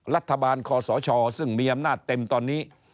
คอสชซึ่งมีอำนาจเต็มตอนนี้